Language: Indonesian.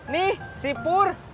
nih si pur